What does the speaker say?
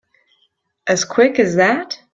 As quick as that?